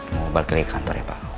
mau balik lagi ke kantor ya pak